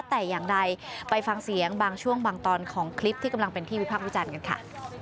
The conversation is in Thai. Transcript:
แต่อย่างใดไปฟังเสียงบางช่วงบางตอนของคลิปที่กำลังเป็นที่วิพากษ์วิจารณ์กันค่ะ